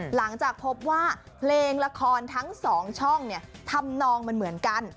หลังจากพบว่าเพลงละครทั้ง๒ช่องทำนองมันเหมือนกัน